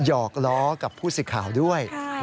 หอกล้อกับผู้สิทธิ์ข่าวด้วย